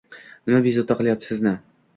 Nima bezovta qilayapti sizni.